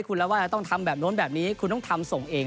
คุณล่ะว่าเราเราต้องทำแบบนั้นแบบนี้คุณต้องทำส่งเอง